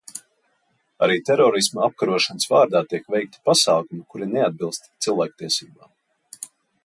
Arī terorisma apkarošanas vārdā tiek veikti pasākumi, kuri neatbilst cilvēktiesībām.